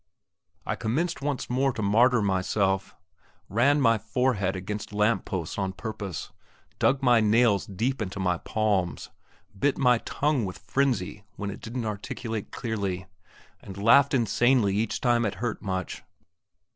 I commenced once more to martyr myself, ran my forehead against lamp posts on purpose, dug my nails deep into my palms, bit my tongue with frenzy when it didn't articulate clearly, and laughed insanely each time it hurt much.